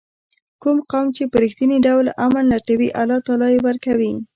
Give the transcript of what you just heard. کوم قوم چې په رښتیني ډول امن لټوي الله تعالی یې ورکوي.